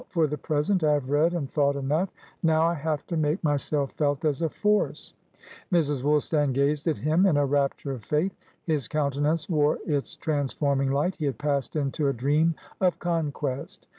For the present, I have read and thought enough; now I have to make myself felt as a force." Mrs. Woolstan gazed at him, in a rapture of faith. His countenance wore its transforming light; he had passed into a dream of conquest.